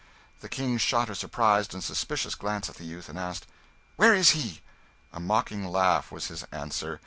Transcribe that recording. The King shot a surprised and suspicious glance at the youth, and asked "Where is he?" A mocking laugh was his answer.